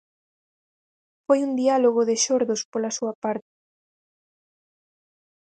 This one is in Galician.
Foi un diálogo de xordos pola súa parte.